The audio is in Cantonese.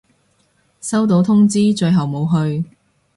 收到通知，最後冇去